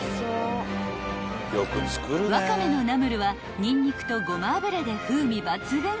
［ワカメのナムルはニンニクとごま油で風味抜群］